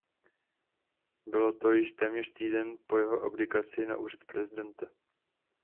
Bylo to již téměř týden po jeho abdikaci na úřad prezidenta.